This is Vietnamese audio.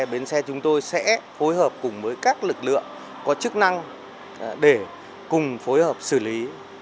bến xe chúng tôi sẽ phối hợp cùng với các lực lượng có chức năng để cùng phối hợp xử lý